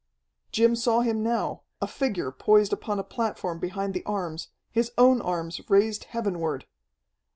Jim saw him now, a figure poised upon a platform behind the arms, his own arms raised heavenward.